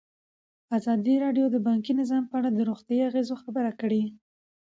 ازادي راډیو د بانکي نظام په اړه د روغتیایي اغېزو خبره کړې.